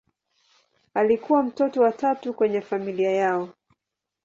Alikuwa mtoto wa tatu kwenye familia yao.